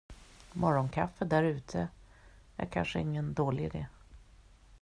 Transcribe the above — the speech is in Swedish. Morgonkaffe där ute är kanske ingen dålig idé.